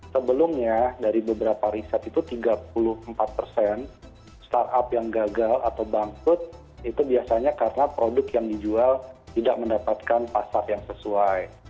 sebelumnya dari beberapa riset itu tiga puluh empat persen startup yang gagal atau bangkrut itu biasanya karena produk yang dijual tidak mendapatkan pasar yang sesuai